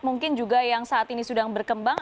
mungkin juga yang saat ini sedang berkembang